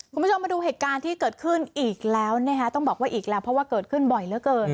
คุณผู้ชมมาดูเหตุการณ์ที่เกิดขึ้นอีกแล้วนะคะต้องบอกว่าอีกแล้วเพราะว่าเกิดขึ้นบ่อยเหลือเกิน